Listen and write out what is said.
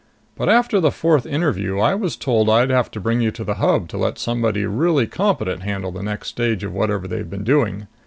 But after the fourth interview I was told I'd have to bring you to the Hub to let somebody really competent handle the next stage of whatever they've been doing.